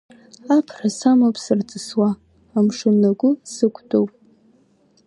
Аԥра самоуп сырҵысуа, амшын агәы сықәтәоуп.